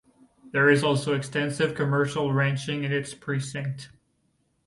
There is also extensive commercial ranching in its precinct.